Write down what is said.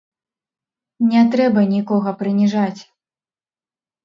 Не трэба нікога прыніжаць.